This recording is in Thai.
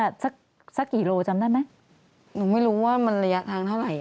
สักสักกี่โลจำได้ไหมหนูไม่รู้ว่ามันระยะทางเท่าไหร่